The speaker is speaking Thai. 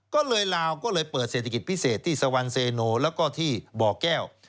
ก็เลยลาวก็เลยเปิดเศรษฐกิจพิเศษที่สวรรค์เซโนแล้วก็ที่บ่อแก้ว